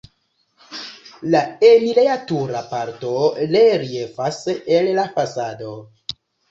La enireja-tura parto reliefas el la fasado.